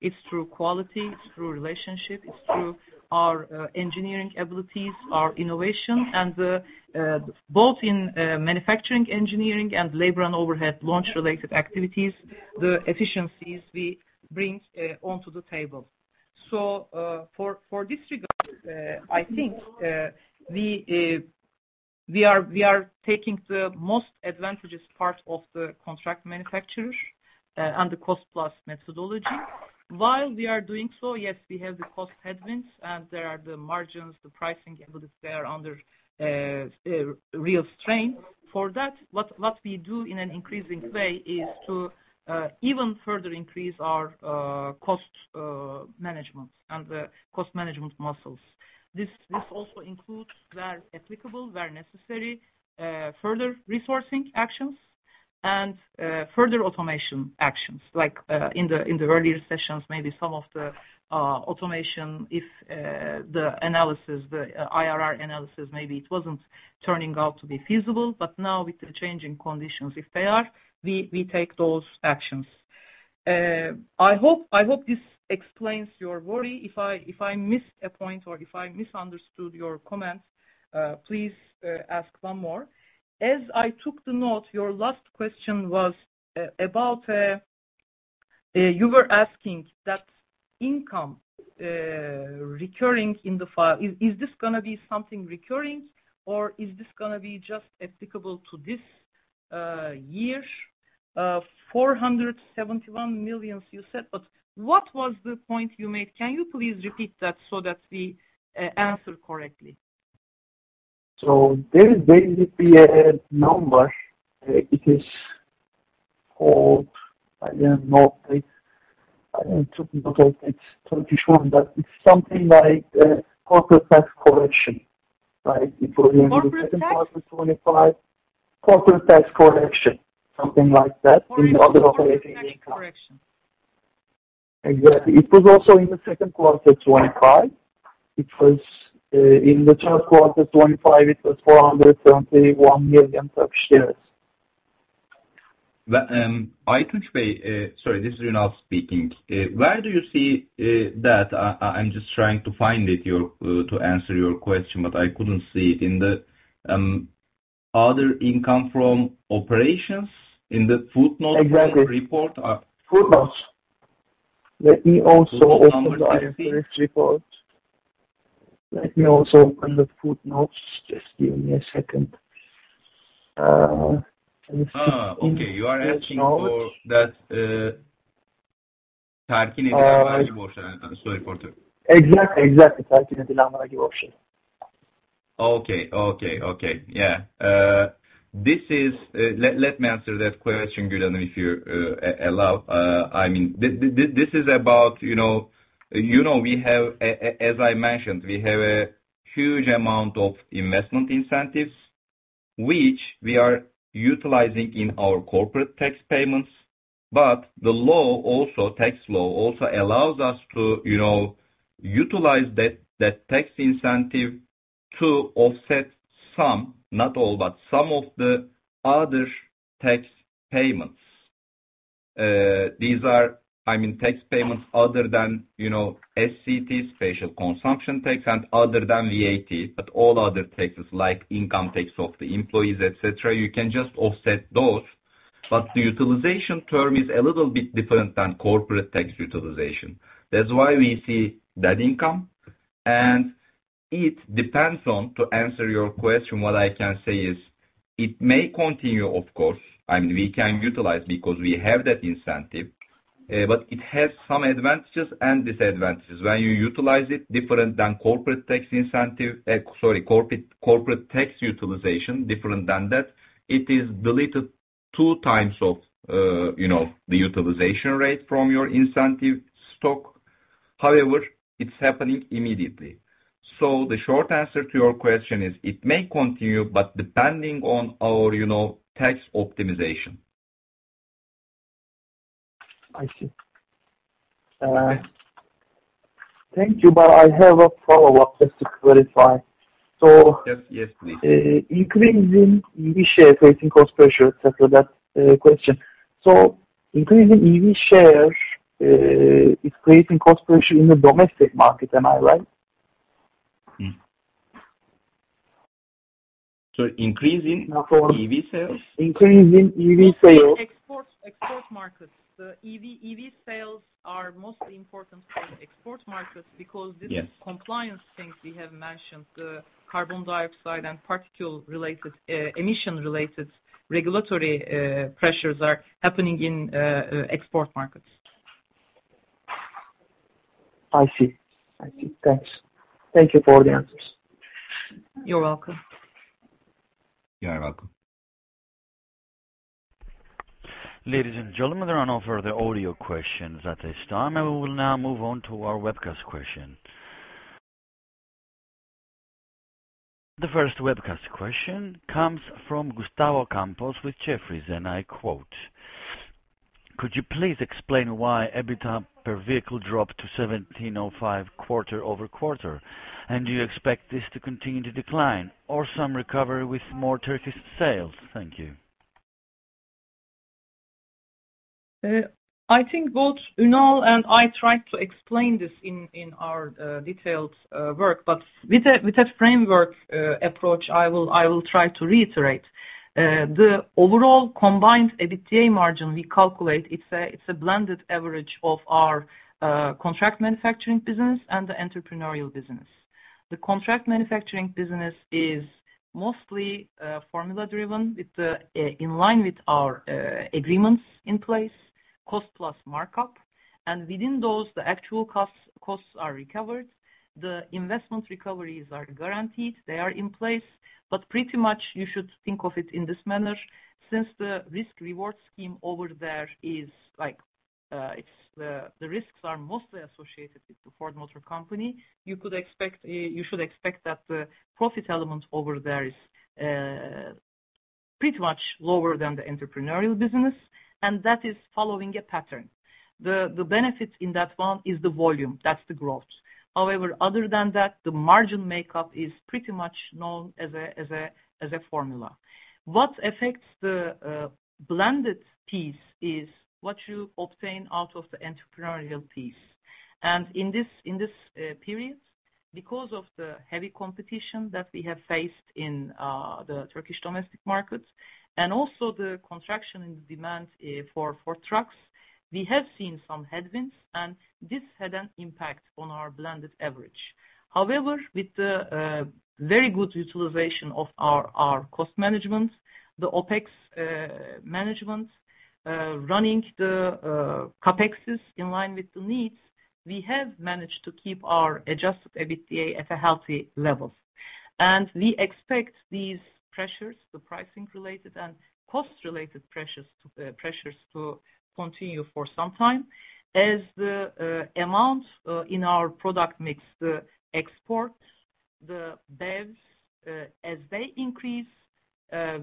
It's through quality, it's through relationship, it's through our engineering abilities, our innovation, and both in manufacturing engineering and labor and overhead launch-related activities, the efficiencies we bring onto the table. For this regard, I think we are taking the most advantageous part of the contract manufacturers and the cost-plus methodology. While we are doing so, yes, we have the cost headwinds, and there are the margins, the pricing abilities, they are under a real strain. For that, what we do in an increasing way is to even further increase our cost management and the cost management muscles. This also includes where applicable, where necessary, further resourcing actions and further automation actions, like in the earlier sessions, maybe some of the automation, if the analysis, the IRR analysis, maybe it wasn't turning out to be feasible. Now with the changing conditions, if they are, we take those actions. I hope this explains your worry. If I missed a point or if I misunderstood your comment, please ask one more. As I took the note, your last question was about you were asking that income recurring in the fi-- Is this gonna be something recurring or is this gonna be just applicable to this year? Four hundred seventy-one million you said, but what was the point you made? Can you please repeat that so that we answer correctly? There will basically a number, it is called, I don't know, I need to look at it. It's Turkish one, but it's something like corporate tax correction. Like it was in the second quarter. Corporate tax? 2025. Corporate tax correction, something like that in the other operating income. Tax correction. Exactly. It was also in the second quarter 2025. It was in the third quarter 2025, it was 471 million. Aytunç Uz, sorry, this is Ünal Arslan speaking. Where do you see that? I'm just trying to find it to answer your question, but I couldn't see it. In the other income from operations in the footnote- Exactly. of the report or Footnotes. Let me also open the IR report. Let me also open the footnotes. Just give me a second. Let me see. Okay. You are asking for that, Uh- Sorry for- Exactly. Let me answer that question, Aytunç Uz, if you allow. I mean, this is about, you know, as I mentioned, we have a huge amount of investment incentives, which we are utilizing in our corporate tax payments. The law also, tax law also allows us to, you know, utilize that tax incentive to offset some, not all, but some of the other tax payments. These are, I mean, tax payments other than, you know, SCTs, Special Consumption Tax, and other than VAT, but all other taxes like income tax of the employees, et cetera, you can just offset those. The utilization term is a little bit different than corporate tax utilization. That's why we see that income. It depends on, to answer your question, what I can say is it may continue, of course. I mean, we can utilize because we have that incentive, but it has some advantages and disadvantages. When you utilize it different than corporate tax incentive, except, sorry, corporate tax utilization, different than that, it is deducted two times of, you know, the utilization rate from your incentive stock. However, it's happening immediately. The short answer to your question is it may continue, but depending on our, you know, tax optimization. I see. Thank you. I have a follow-up just to clarify. Yes. Yes, please. Increasing EV share, creating cost pressure, et cetera, that question. Increasing EV share is creating cost pressure in the domestic market, am I right? Increasing EV sales? Increasing EV sales. Export markets. The EV sales are mostly important for the export markets. Yes. -compliance things we have mentioned, the carbon dioxide and particle-related emission-related regulatory pressures are happening in export markets. I see. Thanks. Thank you for the answers. You're welcome. You are welcome. Ladies and gentlemen, there are no further audio questions at this time, and we will now move on to our webcast question. The first webcast question comes from Gustavo Campos with Jefferies, and I quote, "Could you please explain why EBITDA per vehicle dropped to 1,705 quarter-over-quarter? And do you expect this to continue to decline or some recovery with more Turkish sales? Thank you. I think both Ünal and I tried to explain this in our detailed work, but with a framework approach, I will try to reiterate. The overall combined EBITDA margin we calculate, it's a blended average of our contract manufacturing business and the entrepreneurial business. The contract manufacturing business is mostly formula-driven, in line with our agreements in place, cost-plus markup. Within those, the actual costs are recovered. The investment recoveries are guaranteed. They are in place. Pretty much you should think of it in this manner. Since the risk reward scheme over there is like, it's the risks are mostly associated with the Ford Motor Company, you should expect that the profit element over there is pretty much lower than the entrepreneurial business, and that is following a pattern. The benefit in that one is the volume. That's the growth. However, other than that, the margin makeup is pretty much known as a formula. What affects the blended piece is what you obtain out of the entrepreneurial piece. In this period, because of the heavy competition that we have faced in the Turkish domestic markets and also the contraction in demand for trucks, we have seen some headwinds, and this had an impact on our blended average. However, with the very good utilization of our cost management, the OpEx management, running the CapExes in line with the needs, we have managed to keep our adjusted EBITDA at a healthy level. We expect these pressures, the pricing-related and cost-related pressures to continue for some time. As the amount in our product mix, the exports, the BEVs as they increase,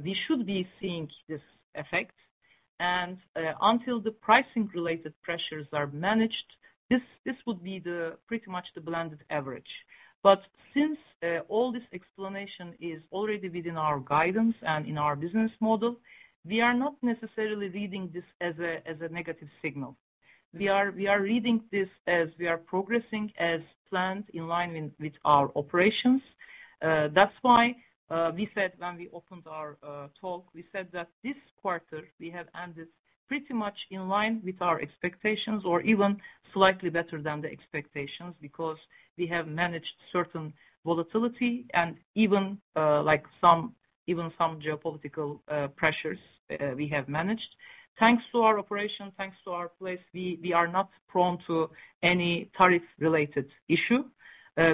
we should be seeing this effect. Until the pricing-related pressures are managed, this would be pretty much the blended average. Since all this explanation is already within our guidance and in our business model, we are not necessarily reading this as a negative signal. We are reading this as we are progressing as planned in line with our operations. That's why we said when we opened our talk, we said that this quarter we have ended pretty much in line with our expectations or even slightly better than the expectations because we have managed certain volatility and even like some geopolitical pressures, we have managed. Thanks to our operation, thanks to our place, we are not prone to any tariff-related issue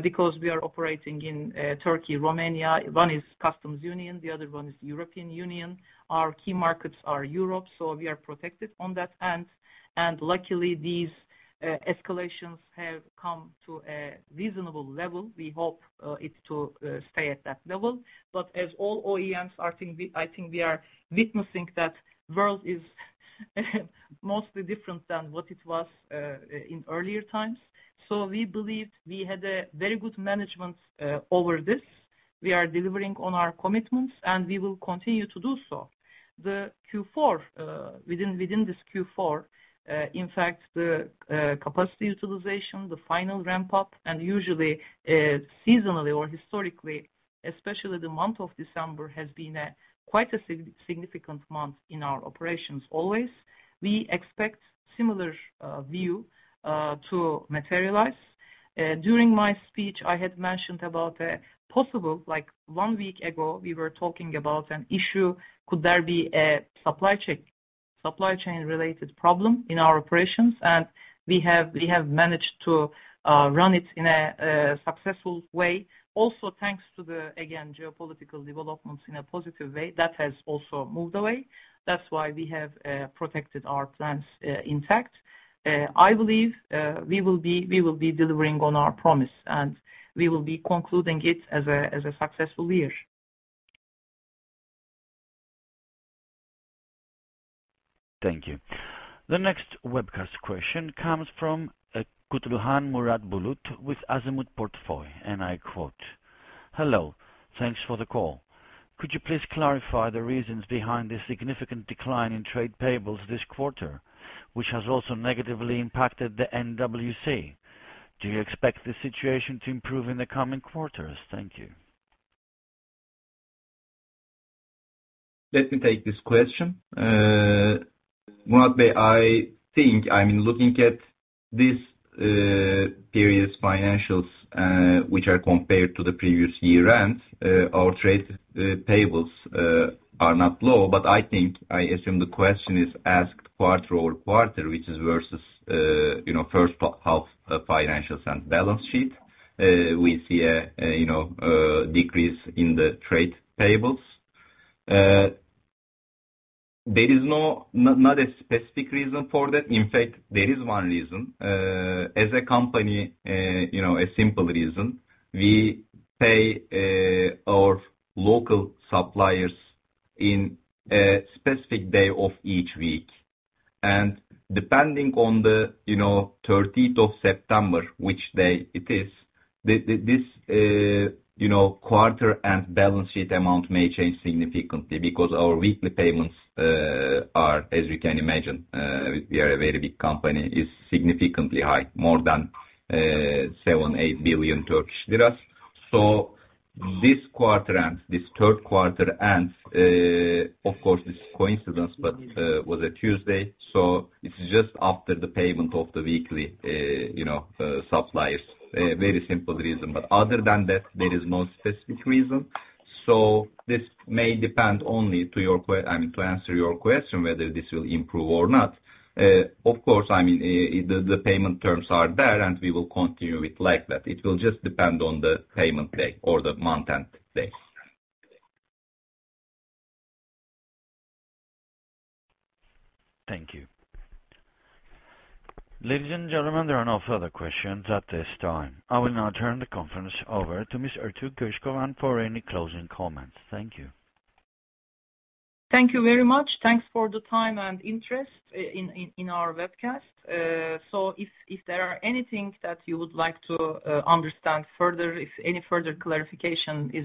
because we are operating in Turkey, Romania. One is Customs Union, the other one is European Union. Our key markets are Europe, so we are protected on that end. Luckily, these escalations have come to a reasonable level. We hope it to stay at that level. As all OEMs, I think we are witnessing that the world is mostly different than what it was in earlier times. We believe we had a very good management over this. We are delivering on our commitments, and we will continue to do so. The Q4 within this Q4, in fact, the capacity utilization, the final ramp up, and usually, seasonally or historically, especially the month of December has been a quite significant month in our operations always. We expect similar view to materialize. During my speech, I had mentioned about a possible, like one week ago, we were talking about an issue, could there be a supply chain related problem in our operations? We have managed to run it in a successful way. Thanks to the again geopolitical developments in a positive way, that has also moved away. That's why we have protected our plans intact. I believe we will be delivering on our promise, and we will be concluding it as a successful year. Thank you. The next webcast question comes from Kutluhan Murat Bulut with Azimut Portföy, and I quote: "Hello. Thanks for the call. Could you please clarify the reasons behind the significant decline in trade payables this quarter, which has also negatively impacted the NWC? Do you expect the situation to improve in the coming quarters? Thank you. Let me take this question. Murat Bulut, I think, I mean, looking at this, period's financials, which are compared to the previous year end, our trade payables are not low. I think, I assume the question is asked quarter-over-quarter, which is versus, you know, first half financials and balance sheet. We see a decrease in the trade payables. There is not a specific reason for that. In fact, there is one reason. As a company, a simple reason, we pay our local suppliers in a specific day of each week. Depending on the, you know, 13th of September, which day it is, this, you know, quarter and balance sheet amount may change significantly because our weekly payments are, as you can imagine, we are a very big company, is significantly high, more than 7 billion-8 billion Turkish lira. This quarter end, this third quarter ends, of course this is coincidence, but was a Tuesday, so it's just after the payment of the weekly, you know, suppliers. A very simple reason, but other than that, there is no specific reason. This may depend only to your I mean, to answer your question, whether this will improve or not. Of course, I mean, the payment terms are there, and we will continue it like that. It will just depend on the payment day or the month-end day. Thank you. Ladies and gentlemen, there are no further questions at this time. I will now turn the conference over to Ms. Gül Ertuğ for any closing comments. Thank you. Thank you very much. Thanks for the time and interest in our webcast. If there are anything that you would like to understand further, if any further clarification is required.